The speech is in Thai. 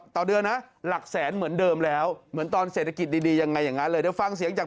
เกาะด้วยนะหลักแสนเหมือนเดิมแล้วเหมือนตอนเศรษฐกิจอย่างไงอย่างเงี้ยก็ฟังสถานกจัง